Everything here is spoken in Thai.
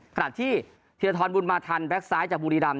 ขณะที่ธีรทรบุญมาทันแก๊กซ้ายจากบุรีรำ